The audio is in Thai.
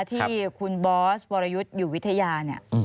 ที่คุณบอสวรยุทธ์อยู่วิทยาเนี่ย